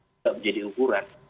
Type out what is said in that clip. tidak menjadi ukuran